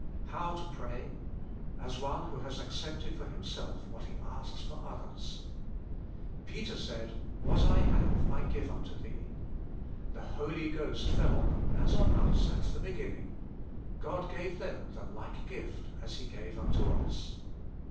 HOW TO PKAY. 3^s ne toho Ijas 3^crepteiJ f0r ffimself inhat he <Ashs for (Oiljrrs "Peter said, What I have, I give unto thee. ... The Holy Ghost fell on them, as on us at the beginning. ... God gave them the like gift, as He gave unto us."